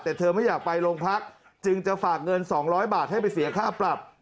แต่เธอไม่อยากไปโรงพักจึงจะฝากเงิน๒๐๐บาทให้ไปเสียค่าปรับ